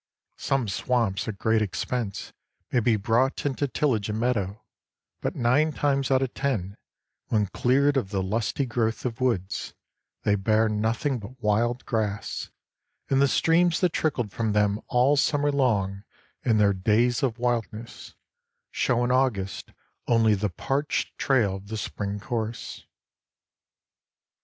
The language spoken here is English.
Some swamps at great expense may be brought into tillage and meadow, but nine times out of ten, when cleared of the lusty growth of woods, they bear nothing but wild grass, and the streams that trickled from them all the summer long in their days of wildness show in August only the parched trail of the spring course.